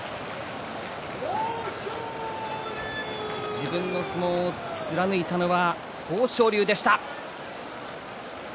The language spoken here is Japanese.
自分の相撲を貫いたのは豊昇龍でした。